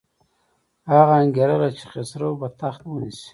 هغه انګېرله چې خسرو به تخت ونیسي.